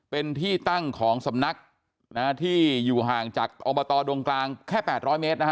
เป็นที่ตั้งของสำนักที่อยู่ห่างจากอบตดงกลางแค่๘๐๐เมตรนะฮะ